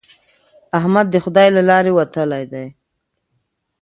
احمد د خدای له لارې وتلی دی.